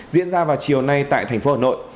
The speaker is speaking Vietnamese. diễn ra vào chiều nay tại tp hà nội